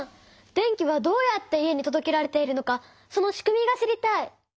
電気はどうやって家にとどけられているのかそのしくみが知りたい！